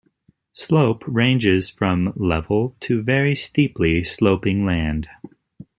Slope ranges from level to very steeply sloping land.